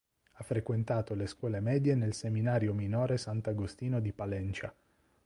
Ha frequentato le scuole medie nel seminario minore "Sant'Agostino" di Palencia.